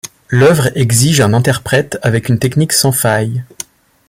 L'œuvre exige un interprète avec une technique sans failles.